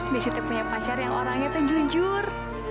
desi tuh punya pacar yang orangnya tuh jujur